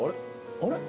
あれ？